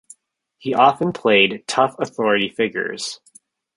He often played tough authority figures.